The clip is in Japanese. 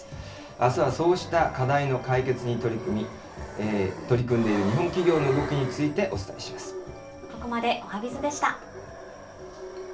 あすはそうした課題の解決に取り組んでいる日本企業の動きについここまでおはＢｉｚでした。